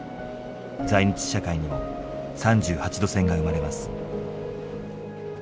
在日社会にも３８度線が生まれます。